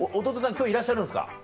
今日いらっしゃるんですか？